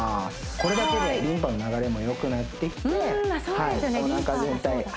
これだけでリンパの流れもよくなってきてそうですよね